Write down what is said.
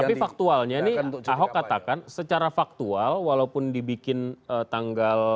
tapi faktualnya ini ahok katakan secara faktual walaupun dibikin tanggal